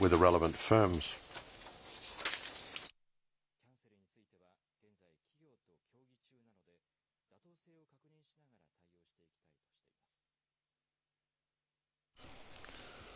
キャンセルについては、現在、企業と協議中なので、妥当性を確認しながら対応していきたいとしています。